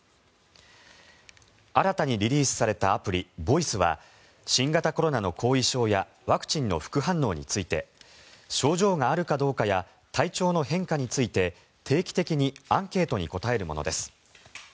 新たにリリースされたアプリＶＯＩＣＥは新型コロナの後遺症やワクチンの副反応について症状があるかどうかや体調の変化について定期的にアンケートに答えるものです。